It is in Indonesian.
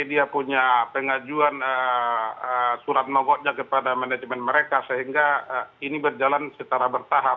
jadi dia punya pengajuan surat mogoknya kepada manajemen mereka sehingga ini berjalan secara bertahap